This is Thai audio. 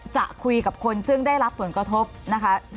จะคุยกับคนซึ่งได้รับผลกระทบนะคะ